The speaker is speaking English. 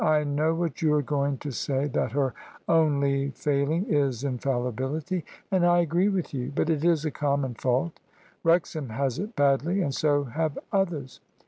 " I know what you are going to say — that her only failing is infallibility, and I agree with you. But it is a common fault; Wrexham has it badly, and so have others.